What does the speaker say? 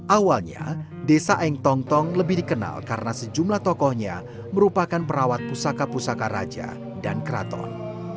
awalnya desa eng tong tong lebih dikenal karena sejumlah tokohnya merupakan perawat pusaka pusaka raja dan keraton